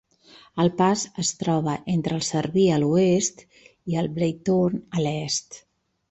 El pas es troba entre el Cerví a l'oest i el Breithorn a l'est.